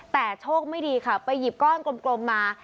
แต่โชคไม่ดีค่ะไปหยิบก้อนกลมมา